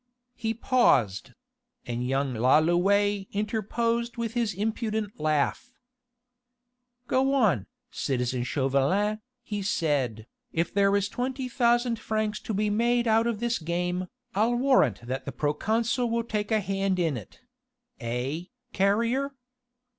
He paused: and young Lalouët interposed with his impudent laugh: "Go on, citizen Chauvelin," he said, "if there is twenty thousand francs to be made out of this game, I'll warrant that the proconsul will take a hand in it eh, Carrier?"